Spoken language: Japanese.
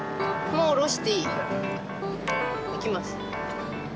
もう下ろしていい？いきます。